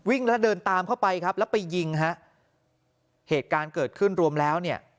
แล้วเดินตามเข้าไปครับแล้วไปยิงฮะเหตุการณ์เกิดขึ้นรวมแล้วเนี่ย